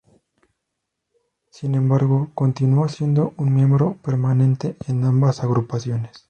Sin embargo, continuó siendo un miembro permanente en ambas agrupaciones.